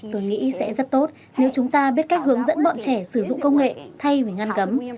tôi nghĩ sẽ rất tốt nếu chúng ta biết cách hướng dẫn bọn trẻ sử dụng công nghệ thay vì ngăn cấm